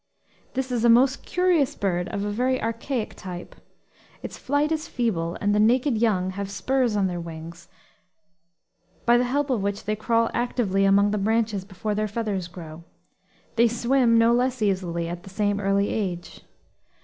This is a most curious bird of very archaic type. Its flight is feeble, and the naked young have spurs on their wings, by the help of which they crawl actively among the branches before their feathers grow. They swim no less easily, at the same early age.